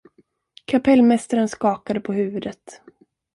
Kapellmästaren skakade på huvudet.